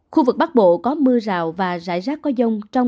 khu vực bắc bộ có mưa rào và rải rác có dông